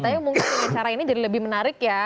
tapi mungkin cara ini jadi lebih menarik ya